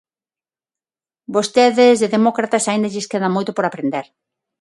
Vostedes de demócratas aínda lles queda moito por aprender.